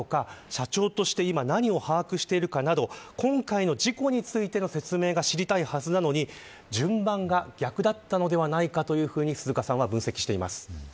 社長として今何を把握しているかなど今回の事故についての説明が知りたいはずなのに順番が逆だったのではないかと鈴鹿さんは分析しています。